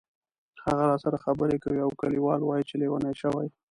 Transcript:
هغه راسره خبرې کوي او کلیوال وایي چې لیونی شوې.